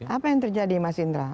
apa yang terjadi mas indra